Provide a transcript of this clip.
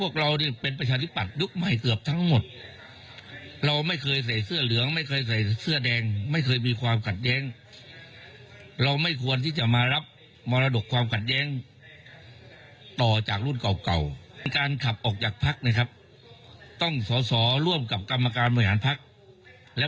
ก็ดูดูไปดูมาส่วนใหญ่อยู่ตรงนี้หมดแล้วครับไม่รู้ใครจะขับใครกันแน่